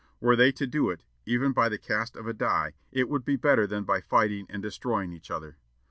Were they to do it, even by the cast of a die, it would be better than by fighting and destroying each other."